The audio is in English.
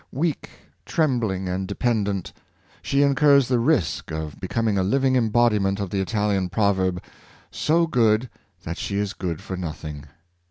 Weak, trembling and dependent, she incurs the risk of becoming a living embodiment of the Italian proverb — "so good that she is good for nothing."